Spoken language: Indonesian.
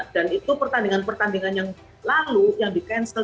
dan itu pertandingan pertandingan yang lalu yang di cancel